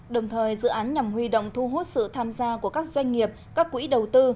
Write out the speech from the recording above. đồng thời dự án nhằm huy động thu hút sự tham gia của các doanh nghiệp các quỹ đầu tư